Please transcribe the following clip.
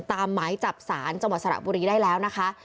หมายจับศาลจังหวัดสระบุรีได้แล้วนะคะ